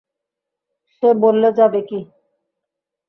সে বললে, যাবে কি!